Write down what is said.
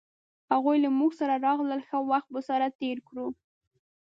هغوی له مونږ سره راغلل ښه وخت به سره تیر کړو